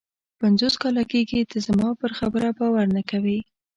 پنځوس کاله کېږي ته زما پر خبره باور نه کوې.